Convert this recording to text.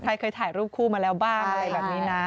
ใครเคยถ่ายรูปคู่มาแล้วบ้างอะไรแบบนี้นะ